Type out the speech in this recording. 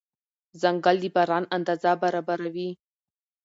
ځنګل د باران اندازه برابروي.